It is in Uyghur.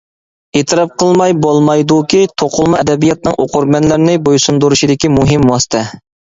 ئېتىراپ قىلماي بولمايدۇكى، توقۇلما ئەدەبىياتنىڭ ئوقۇرمەنلەرنى بويسۇندۇرۇشىدىكى مۇھىم ۋاسىتە.